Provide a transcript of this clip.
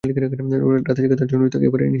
রাতিজাগা তাঁর জন্যে একেবারেই নিষিদ্ধ।